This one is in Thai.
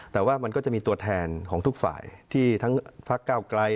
แต่ว่ามันก็จะมีตัวแทนของทุกฝ่ายที่ทั้งพักเก้าไกล